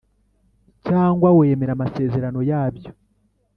cyangwa wemera amasezerano yabyo